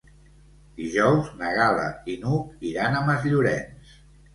Dijous na Gal·la i n'Hug iran a Masllorenç.